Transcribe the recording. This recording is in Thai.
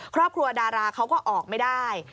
ครอบครัวดาราเขาก็ออกไม่ได้